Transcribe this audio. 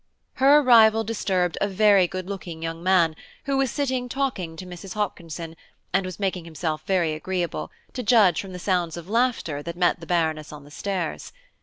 Her arrival disturbed a very good looking young man, who was sitting talking to Mrs. Hopkinson, and was making himself very agreeable, to judge from the sounds of laughter that met the Baroness on the stairs.